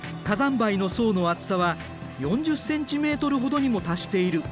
灰の層の厚さは４０ｃｍほどにも達している。